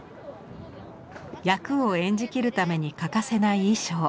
役を演じきるために欠かせない衣装。